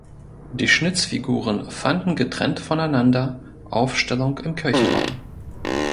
Die Schnitzfiguren fanden getrennt voneinander Aufstellung im Kirchenraum.